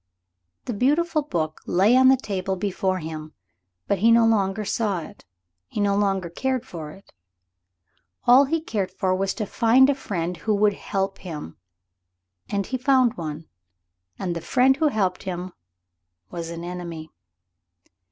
The beautiful book lay on the table before him, but he no longer saw it. He no longer cared for it. All he cared for was to find a friend who would help him. And he found one. And the friend who helped him was an enemy.